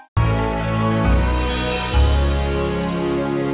kamu empih thinkers